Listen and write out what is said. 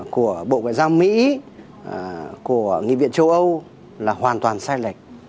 của bộ ngoại giao mỹ của nghị viện châu âu là hoàn toàn sai lệch